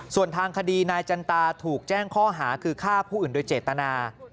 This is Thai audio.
ส่วนทางคดีนายจันตาถูกแจ้งข้อหาคือฆ่าผู้อื่นโดยเจตนา